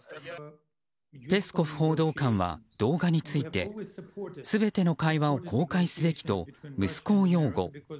ペスコフ報道官は、動画について全ての会話を公開すべきと息子を擁護。